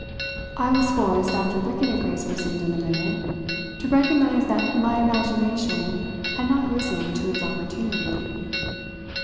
I was forced, after looking at Grace Brissenden a minute, to recognise that my imagination had not risen to its opportunity.